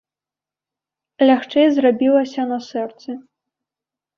Лягчэй зрабілася на сэрцы.